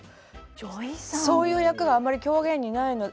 そういう役があんまり狂言にないので。